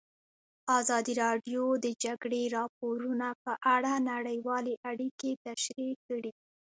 ازادي راډیو د د جګړې راپورونه په اړه نړیوالې اړیکې تشریح کړي.